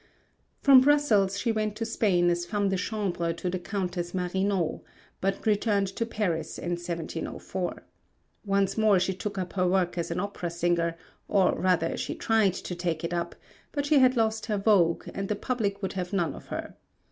From Brussels she went to Spain as femme de chambre to the Countess Marino but returned to Paris in 1704. Once more she took up her work as an opera singer; or rather she tried to take it up, but she had lost her vogue, and the public would have none of her.